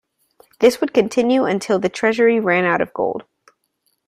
This would continue until the Treasury ran out of gold.